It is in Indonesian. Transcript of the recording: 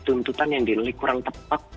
tuntutan yang dinilai kurang tepat